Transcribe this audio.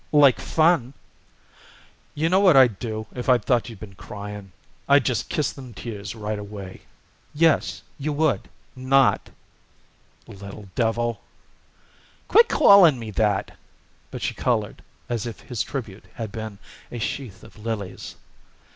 "Like fun." "You know what I'd do if I thought you'd been crying? I'd just kiss them tears right away." "Yes, you would not." "Little devil!" "Quit calling me that." But she colored as if his tribute had been a sheath of lilies.